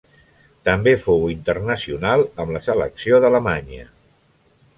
També fou internacional amb la selecció d'Alemanya.